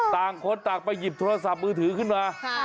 ต่างคนต่างไปหยิบโทรศัพท์มือถือขึ้นมา